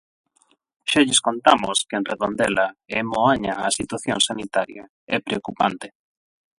Xa lles contamos que en Redondela e en Moaña a situación sanitaria é preocupante.